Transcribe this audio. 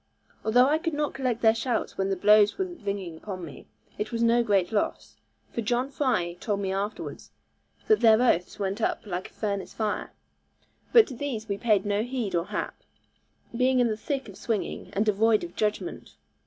Although I could not collect their shouts when the blows were ringing upon me, it was no great loss; for John Fry told me afterwards that their oaths went up like a furnace fire. But to these we paid no heed or hap, being in the thick of swinging, and devoid of judgment.